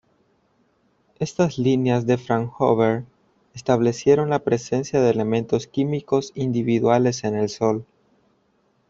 Estas líneas de Fraunhofer establecieron la presencia de elementos químicos individuales en el Sol.